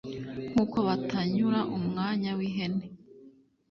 nk'uko batanyura umwana w'ihene